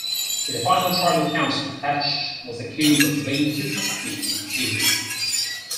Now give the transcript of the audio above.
In the final tribal council, Hatch was accused of being too cocky and evil.